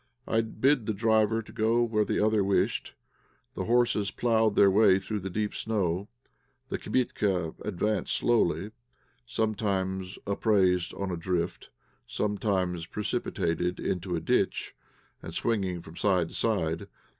I bid the driver go where the other wished. The horses ploughed their way through the deep snow. The kibitka advanced slowly, sometimes upraised on a drift, sometimes precipitated into a ditch, and swinging from side to side.